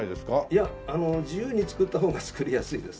いや自由に作った方が作りやすいです。